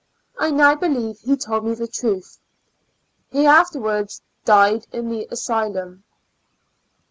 I now believe he told me the truth. He afterwards died in the asylum.